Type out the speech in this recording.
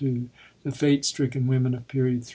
the fate stricken women of Period III.